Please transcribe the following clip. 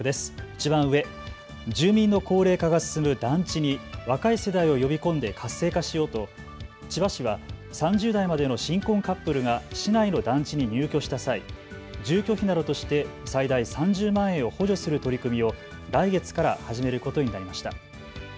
いちばん上、住民の高齢化が進む団地に若い世代を呼び込んで活性化しようと千葉市は３０代までの新婚カップルが市内の団地に入居した際、住居費などとして最大３０万円を補助する取り組みを来月から始めることになりました。